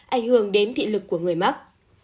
ảnh hưởng đến thị lực của người mắt